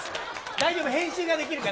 大丈夫、編集ができるから。